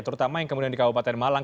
terutama yang kemudian di kabupaten malang